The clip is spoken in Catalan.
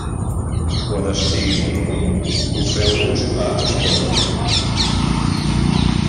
Quan estiguin al punt, poseu-los a escórrer.